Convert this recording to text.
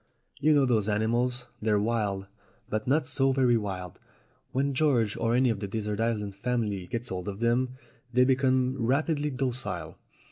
You know those animals? They're wild, but not so very wild. When George, or any of the desert island family, gets hold of them, they become rapidly docile.